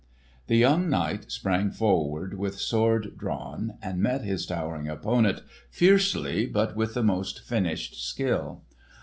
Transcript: The young knight sprang forward with sword drawn and met his towering opponent fiercely but with the most finished skill.